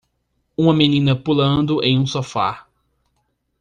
Uma menina pulando em um sofá.